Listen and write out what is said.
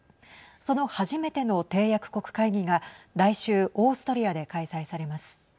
その初めての締約国会議が来週オーストリアで開催されます。